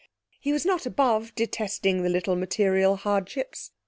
He was not above detesting little material hardships.